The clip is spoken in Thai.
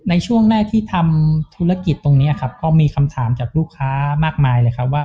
ในช่วงแรกที่ทำธุรกิจตรงนี้ครับก็มีคำถามจากลูกค้ามากมายเลยครับว่า